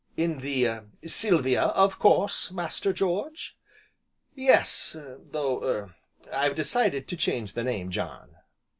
"In the 'Silvia,' of course, Master George?" "Yes; though er I've decided to change her name, John."